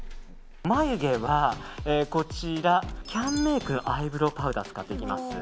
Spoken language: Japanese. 眉毛はキャンメイクのアイブローパウダーを使っていきます。